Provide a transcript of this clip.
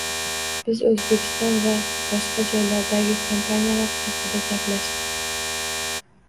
Biz Oʻzbekiston va boshqa joylardagi kompaniyalar haqida gaplashdik